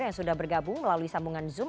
yang sudah bergabung melalui sambungan zoom